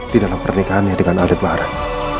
di dalam pernikahannya dengan adat